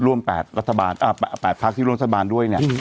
ร่วม๘รัฐบาล๘พักที่ร่วมรัฐบาลด้วยเนี่ย